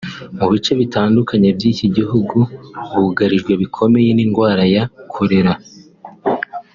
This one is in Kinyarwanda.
Mu bice bitandukanye by’iki gihugu bugarijwe bikomeye n’indwara ya Kolera